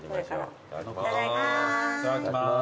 いただきます。